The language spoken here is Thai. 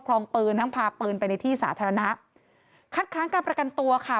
ครองปืนทั้งพาปืนไปในที่สาธารณะคัดค้างการประกันตัวค่ะ